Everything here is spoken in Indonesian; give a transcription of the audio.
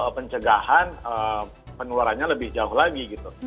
pencegahan penularannya lebih jauh lagi gitu